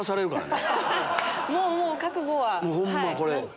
もう覚悟ははい。